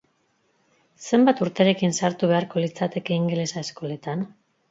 Zenbat urterekin sartu beharko litzateke ingelesa eskoletan?